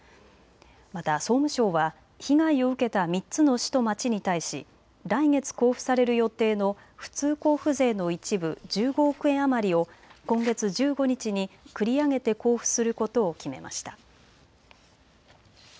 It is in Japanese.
また総務省は被害を受けた３つの市と町に対し来月交付される予定の普通交付税の一部、１５億円余りを今月１５日に繰り上げて交付することを決めました。